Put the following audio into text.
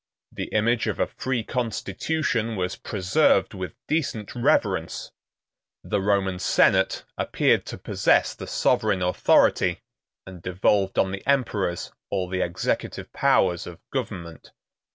The image of a free constitution was preserved with decent reverence: the Roman senate appeared to possess the sovereign authority, and devolved on the emperors all the executive powers of government.